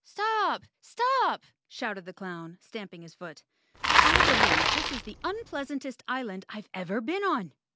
"Stop! Stop!" shouted the clown, stamping his foot. "I believe this is the unpleasantest island I've ever been on."